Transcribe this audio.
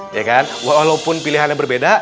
ya kan walaupun pilihannya berbeda